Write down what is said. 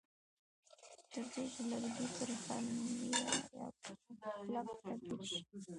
ترڅو چې لرګي پر خمیره یا پلپ تبدیل شي.